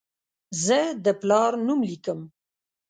زه د پلار نوم لیکم.